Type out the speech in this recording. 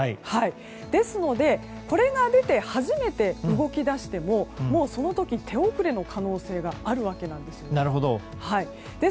ですので、これが出て初めて動き出してももうその時、手遅れの可能性があるわけなんです。